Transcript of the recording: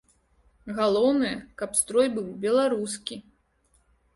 Галоўнае, каб строй быў беларускі.